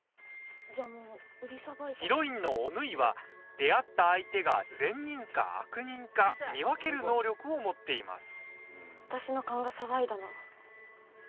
ヒロインのお縫は出会った相手が善人か悪人か見分ける能力を持っています。